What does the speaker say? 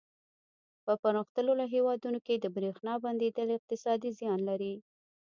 په پرمختللو هېوادونو کې د برېښنا بندېدل اقتصادي زیان لري.